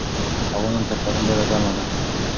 هوا نن تر پرون ډېره ګرمه ده.